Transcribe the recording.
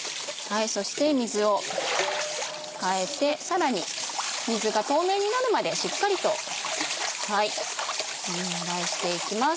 そして水を替えてさらに水が透明になるまでしっかりともみ洗いしていきます。